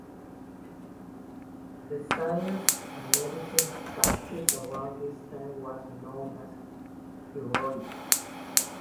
The science and medicine practiced around this time was known as "heroic".